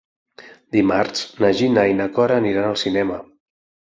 Dimarts na Gina i na Cora aniran al cinema.